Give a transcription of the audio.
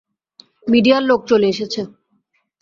মিডিয়ার লোক চলে এসেছে।